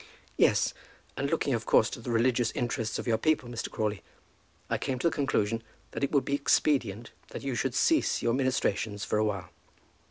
"Yes; and looking of course to the religious interests of your people, Mr. Crawley, I came to the conclusion that it would be expedient that you should cease your ministrations for awhile."